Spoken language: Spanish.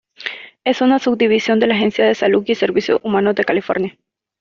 Es una subdivisión de la Agencia de Salud y Servicios Humanos de California.